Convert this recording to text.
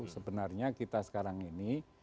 sebenarnya kita sekarang ini